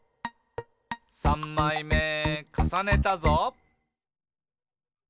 「さんまいめかさねたぞ！」